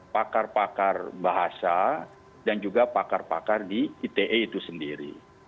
pakar pakar bahasa dan juga pakar pakar di ite itu sendiri